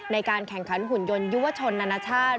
ในการแข่งขันหุ่นยนต์ยุวชนนานาชาติ